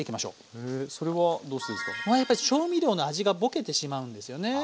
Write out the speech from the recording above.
これはやっぱり調味料の味がボケてしまうんですよね。